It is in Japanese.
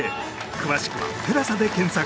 詳しくは「ＴＥＬＡＳＡ」で検索